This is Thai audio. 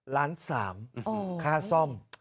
ล้านสามค่าซ่อม